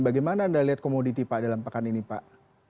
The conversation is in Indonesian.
bagaimana anda lihat komoditi pak dalam pekan ini pak